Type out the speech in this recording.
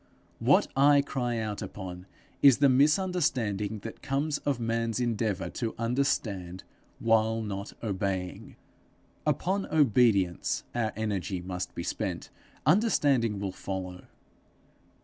What I cry out upon is the misunderstanding that comes of man's endeavour to understand while not obeying. Upon obedience our energy must be spent; understanding will follow.